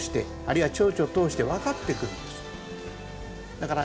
だから